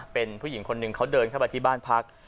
เป็นผู้หญิงคนหนึ่งเขาเดินเข้าไปที่บ้านพัก